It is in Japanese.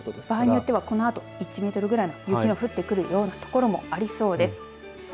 場合によっては１メートルぐらいの雪が降ってくるような所もありそうです。